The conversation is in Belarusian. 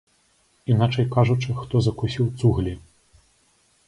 Іначай кажучы, хто закусіў цуглі.